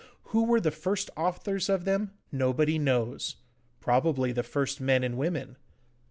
Who were the first authors of them nobody knows probably the first men and women.